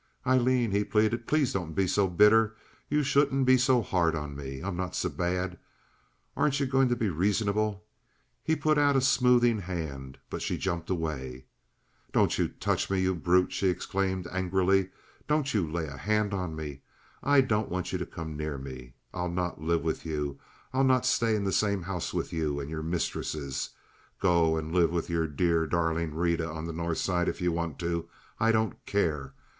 "Aileen," he pleaded, "please don't be so bitter. You shouldn't be so hard on me. I'm not so bad. Aren't you going to be reasonable?" He put out a smoothing hand, but she jumped away. "Don't you touch me, you brute!" she exclaimed, angrily. "Don't you lay a hand on me. I don't want you to come near me. I'll not live with you. I'll not stay in the same house with you and your mistresses. Go and live with your dear, darling Rita on the North Side if you want to. I don't care.